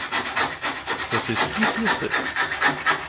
— То ти скіф єси?